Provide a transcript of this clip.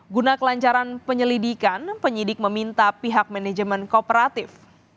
guna kelancaran penyelidikan penyidik meminta pihak manajemen kooperatif